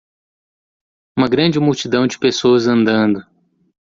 Uma grande multidão de pessoas andando.